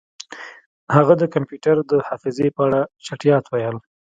هغه د کمپیوټر د حافظې په اړه چټیات ویل